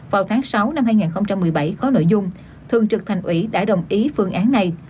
vào tháng sáu năm hai nghìn một mươi bảy có nội dung thường trực thành ủy đã đồng ý phương án này